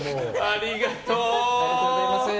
ありがとう。